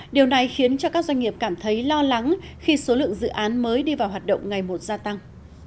điều này khiến cho các doanh nghiệp cảm thấy lo lắng khi số lượng dự án mới đi vào hoạt động ngày một gia tăng